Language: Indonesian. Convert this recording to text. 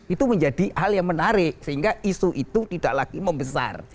itu menjadi hal yang menarik sehingga isu itu tidak lagi membesar